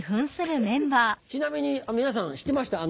ちなみに皆さん知ってました？